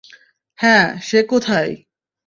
হ্যাঁ, সে কোথায়?